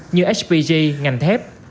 như hpg ngành thép